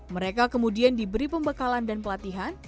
mereka kemudian diberi pembekalan dan pelatihan